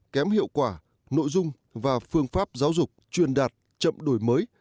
kém hiệu quả nội dung và phương pháp giáo dục truyền đạt chậm đổi mới